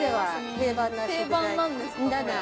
定番なんですね。